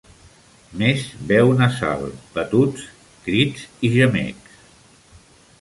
Més veu nasal, batuts, crits i gemecs.